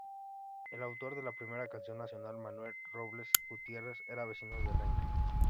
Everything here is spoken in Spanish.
El autor de la primera canción nacional, Manuel Robles Gutierrez, era vecino de Renca.